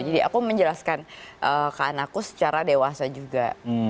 jadi aku menjelaskan ke anakku secara dewasa juga